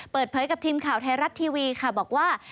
เปิดเผยกับทีมข่าวไทยรัฐทีวีค่ะบอกว่า